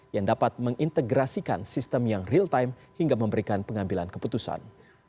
yang dapat mengintegrasikan sistem yang real time hingga memberikan pengambilan keputusan